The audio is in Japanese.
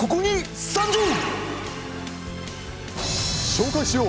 紹介しよう！